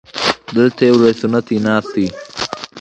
ډیرن لیهر د قوي بيټسمېن په توګه شهرت لري.